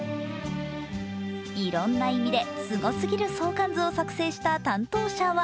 いろんな意味ですごすぎる相関図を作成した担当者は